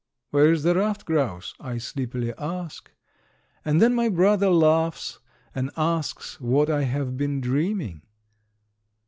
"Where is the ruffed grouse?" I sleepily ask, and then my brother laughs and asks what I have been dreaming.